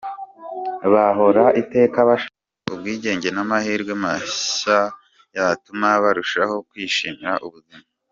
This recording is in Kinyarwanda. Bahora iteka bashaka ubwigenge n’amahirwe mashya yatuma barushaho kwishimira ubuzima.